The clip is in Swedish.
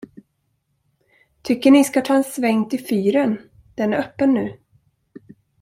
Tycker ni ska ta en sväng till fyren, den är öppen nu.